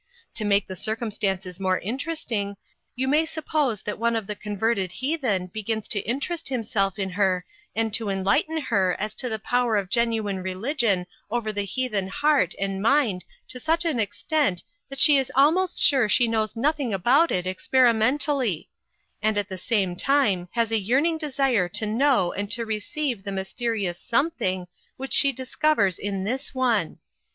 To make the circumstances more interesting you may suppose that one of the converted heathen begins to interest himself in her, and to enlighten her as to the power of genuine religion over the heathen heart and mind to such an extent that she is almost sure she knows nothing about it experiment ally ; and at the same time has a yearning desire to know and to receive the mysteri ous something which she discovers in this one.